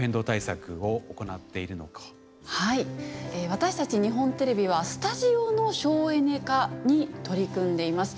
私たち日本テレビはスタジオの省エネ化に取り組んでいます。